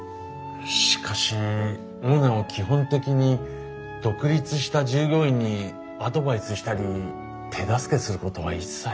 しかしオーナーは基本的に独立した従業員にアドバイスしたり手助けすることは一切。